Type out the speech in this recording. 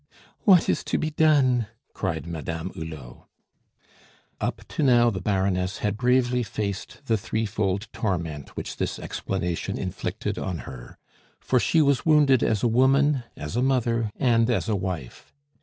"What is to be done?" cried Madame Hulot. Up to now the Baroness had bravely faced the threefold torment which this explanation inflicted on her; for she was wounded as a woman, as a mother, and as a wife.